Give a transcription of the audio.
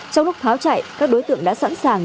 trong lúc tháo chạy các đối tượng đã sẵn sàng